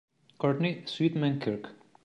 Courtney Sweetman-Kirk